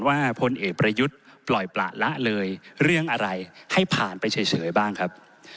พลเอกประยุทธ์ปล่อยประละเลยเรื่องอะไรให้ผ่านไปเฉยบ้างครับ